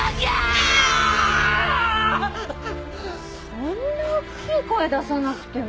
そんな大っきい声出さなくても。